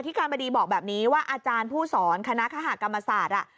การบดีบอกแบบนี้ว่าอาจารย์ผู้สอนคณะคหากรรมศาสตร์